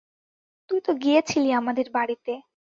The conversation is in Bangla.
তুই তো গিয়েছিলি আমাদের বাড়িতে।